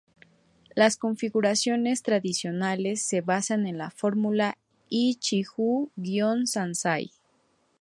Las configuraciones tradicionales se basan en la fórmula "ichijū-sansai".